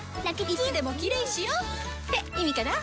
いつでもキレイしよ！って意味かな！